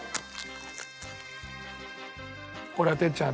これは哲ちゃん